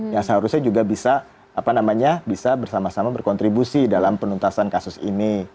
yang seharusnya juga bisa bersama sama berkontribusi dalam penuntasan kasus ini